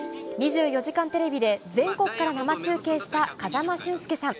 ２４時間テレビで全国から生中継した風間俊介さん。